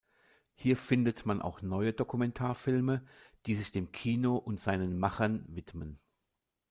Hier findet man auch neue Dokumentarfilme, die sich dem Kino und seinen Machern widmen.